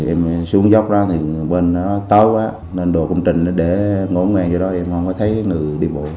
em xuống dốc đó bên đó tối quá nên đồ công trình để ngổ ngang vô đó em không có thấy người đi bộ